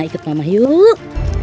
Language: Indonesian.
nah ikut mama yuk